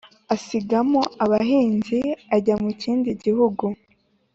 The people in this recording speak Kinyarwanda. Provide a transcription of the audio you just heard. asigamo abahinzi ajya mu kindi gihugu